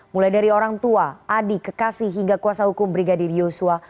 mulai dari orang tua adik kekasih hingga kuasa hukum brigadir yosua